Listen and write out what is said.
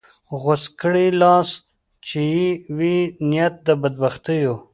غوڅ کړې لاس چې یې وي نیت د بدبختیو